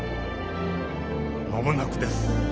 間もなくです。